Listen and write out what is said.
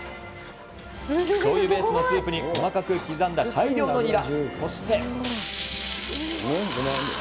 しょうゆベースのスープに、細かく刻んだ大量のニラ、そして。